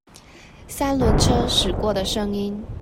三輪車駛過的聲音